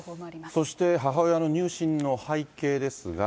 そして母親の入信の背景ですが。